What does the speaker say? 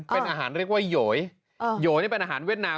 เป็นอาหารเรียกว่าโหยนี่เป็นอาหารเวียดนาม